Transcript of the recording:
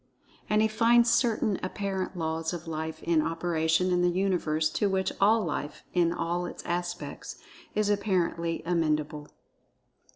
And he finds certain apparent Laws of Life in operation in the Universe to which all Life,[Pg 14] in all of its aspects, is apparently amenable.